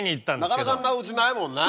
なかなかあんなうちないもんね。